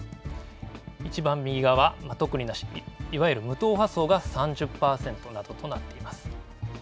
いちばん右側、特になし、いわゆる無党派層が３０％などとなっています。